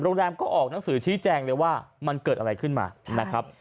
โรงแรมก็ออกหนังสือชี้แจงเลยว่ามันเกิดอะไรขึ้นมานะครับ